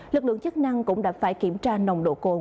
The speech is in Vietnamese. lực lượng chức năng cũng đã phải kiểm tra nồng độ cồn